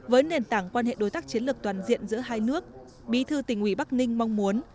với nền tảng quan hệ đối tác chiến lược toàn diện giữa hai nước bí thư tỉnh ủy bắc ninh mong muốn